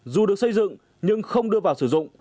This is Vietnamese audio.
dù được xây dựng nhưng không đưa vào sử dụng